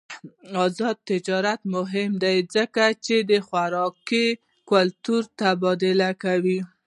آزاد تجارت مهم دی ځکه چې خوراکي کلتور تبادله کوي.